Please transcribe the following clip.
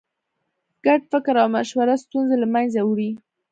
ګډ فکر او مشوره ستونزې له منځه وړي.